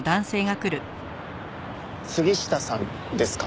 杉下さんですか？